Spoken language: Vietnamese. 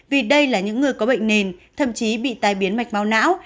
vì đây là những người có bệnh nền thậm chí bị tai biến mạch máu não